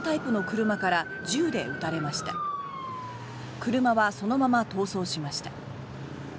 車はそのまま逃走しました。